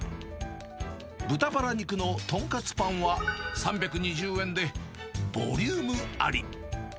豚バラ肉のとんかつパンは３２０円で、ボリュームあり。